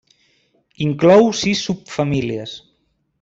Inclou sis subfamílies.